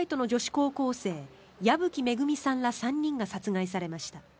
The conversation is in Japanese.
高校生矢吹恵さんら３人が殺害されました。